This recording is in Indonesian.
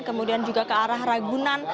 kemudian juga ke arah ragunan